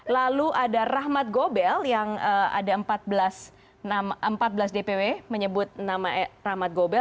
lalu ada rahmat gobel yang ada empat belas dpw menyebut nama rahmat gobel